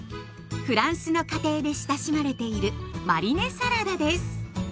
フランスの家庭で親しまれているマリネサラダです。